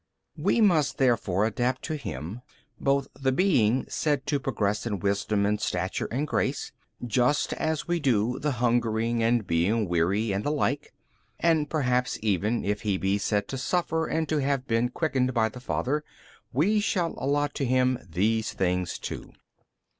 B. We must therefore adapt to Him both the being said to progress in wisdom and stature and grace, just as [we do] the hungering and being weary and the like: and perhaps even if He be said to suffer and to have been |297 quickened by the Father, we shall allot to Him these things too.